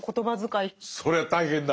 そりゃ大変だ。